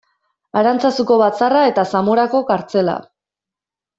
Arantzazuko batzarra eta Zamorako kartzela.